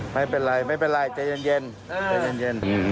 ไม่เป็นไรไม่เป็นไรใจเย็นใจเย็น